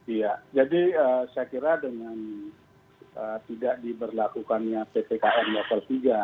iya jadi saya kira dengan tidak diberlakukannya ppkm level tiga